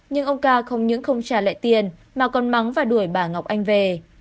nhưng ông ca không những không trả lại tiền mà còn mắng và đuổi bà ngọc anh về